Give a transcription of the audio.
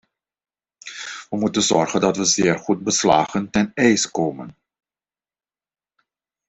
We moeten zorgen dat we zeer goed beslagen ten ijs komen.